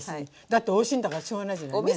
だっておいしいんだからしょうがないじゃないね。